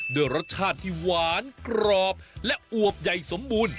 ด้วยรสชาติที่หวานกรอบและอวบใหญ่สมบูรณ์